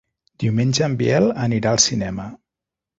Diumenge en Biel anirà al cinema.